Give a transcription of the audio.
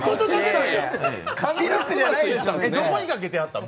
どこにかけてあったの？